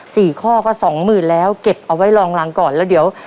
สี่ข้อก็สองหมื่นแล้วเก็บเอาไว้รองรังก่อนแล้วเดี๋ยว